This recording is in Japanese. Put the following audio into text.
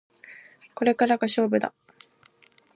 これからが勝負だ